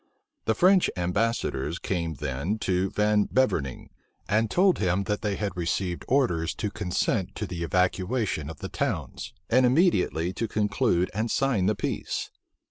The French ambassadors came then to Van Beverning, and told him that they had received orders to consent to the evacuation of the towns, and immediately to conclude and sign the peace.